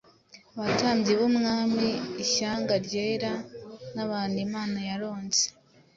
abatambyi b’ubwami, ishyanga ryera, n’abantu imana yaronse